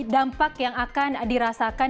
dampak yang akan dirasakan